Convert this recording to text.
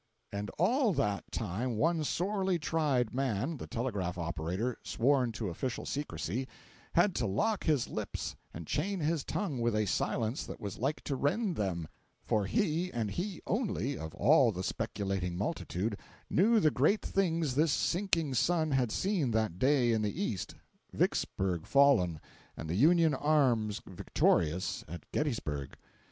406.jpg (72K) And all that time one sorely tried man, the telegraph operator sworn to official secrecy, had to lock his lips and chain his tongue with a silence that was like to rend them; for he, and he only, of all the speculating multitude, knew the great things this sinking sun had seen that day in the east—Vicksburg fallen, and the Union arms victorious at Gettysburg!